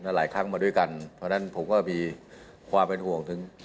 หลายครั้งมาด้วยกันเพราะฉะนั้นผมก็มีความเป็นห่วงถึง